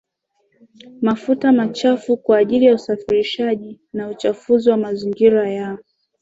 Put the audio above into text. mafuta machafu kwa ajili ya usafirishaji na uchafuzi wa mazingira ya